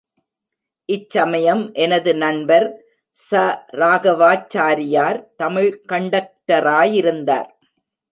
இச்சமயம் எனது நண்பர் ச. ராகவாச்சாரியார் தமிழ் கண்டக்டராயிருந்தார்.